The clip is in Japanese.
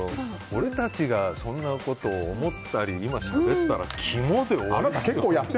俺たちが、そんなことを思ったりしゃべったらキモッ！